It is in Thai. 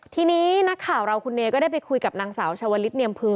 ทีนี้นักข่าวเราคุณเนยก็ได้ไปคุยกับนางสาวชาวลิศเนียมพึง